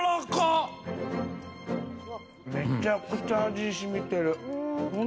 めちゃくちゃ味染みてる。